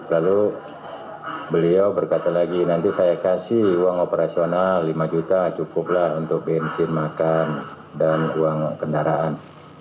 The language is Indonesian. lalu beliau berkata lagi nanti saya kasih uang operasional lima juta cukuplah untuk bensin makan dan uang kendaraan